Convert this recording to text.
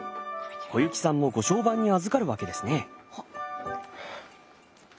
小雪さんもご相伴にあずかるわけですね。